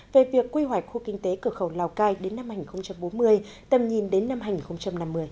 về việc quy hoạch khu kinh tế cửa khẩu lào cai đến năm hai nghìn bốn mươi tầm nhìn đến năm hành năm mươi